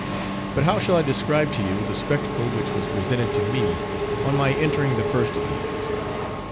But how shall I describe to you the spectacle which was presented to me, on my entering the first of these?